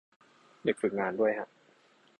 เด็กฝึกงานด้วยฮะ